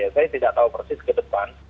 saya tidak tahu persis ke depan